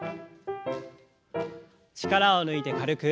力を抜いて軽く。